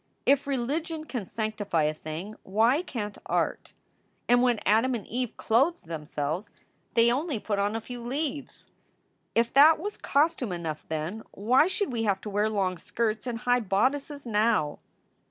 If religion can sanctify a thing, why can t art? And when Adam and Eve clothed themselves they only put on a few leaves. If that was costume enough then, why should we have to wear long skirts and high bodices now?